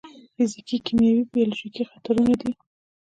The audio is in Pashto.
فزیکي، کیمیاوي او بیولوژیکي خطرونه دي.